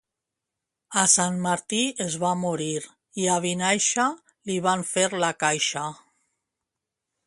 A Sant Martí es va morir i a Vinaixa li van fer la caixa.